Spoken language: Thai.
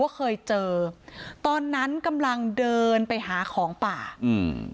เคยเจอตอนนั้นกำลังเดินไปหาของป่าอืม